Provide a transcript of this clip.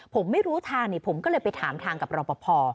ผมไม่รู้ทางนี่ผมก็เลยไปถามทางกับรอปภ